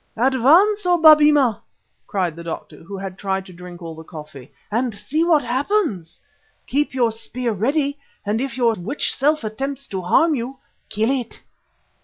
"Advance, O Babemba," cried the doctor who had tried to drink all the coffee, "and see what happens. Keep your spear ready, and if your witch self attempts to harm you, kill it."